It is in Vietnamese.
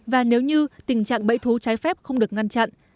và nếu như tình trạng bẫy thú trái phép không được ngăn chặn